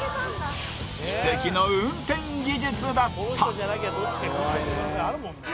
奇跡の運転技術だった。